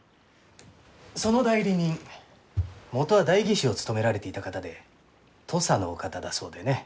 その代理人元は代議士を務められていた方で土佐のお方だそうでね。